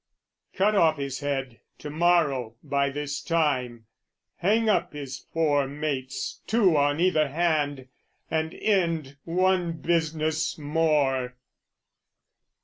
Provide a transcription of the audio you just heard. "Cut off his head to morrow by this time, "Hang up his four mates, two on either hand, "And end one business more!"